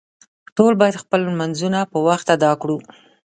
ټول باید خپل لمونځونه په وخت ادا کړو